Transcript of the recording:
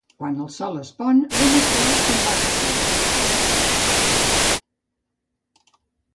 Quan el sol es pon, el mestral se'n va a ca seva.